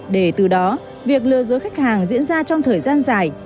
để từ đó việc lừa dối khách hàng diễn ra trong thời gian dài